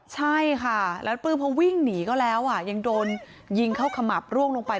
ใช่ค่ะแล้วปลื้มพอวิ่งหนีก็แล้วอ่ะยังโดนยิงเข้าขมับร่วงลงไป